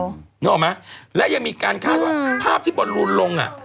นึกออกไหมและยังมีการคาดว่าภาพที่บอลลูนลงอ่ะ